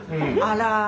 あら！